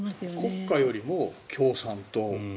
国家よりも共産党。